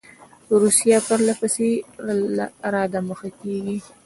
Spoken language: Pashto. روسیه پر له پسې را دمخه کیږي.